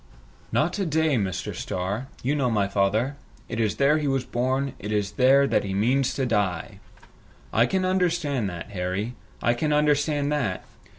"Not a day, Mr. Starr. You know my father. It is there he was born, it is there he means to die!" "I can understand that, Harry. I can understand that!